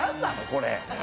これ。